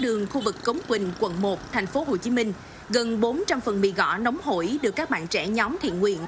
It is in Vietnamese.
đường khu vực cống quỳnh quận một thành phố hồ chí minh gần bốn trăm linh phần mì gõ nóng hổi được các bạn trẻ nhóm thị nguyên